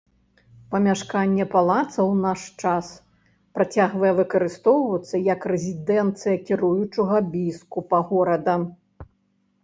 Памяшканне палаца ў наш час працягвае выкарыстоўвацца як рэзідэнцыя кіруючага біскупа горада.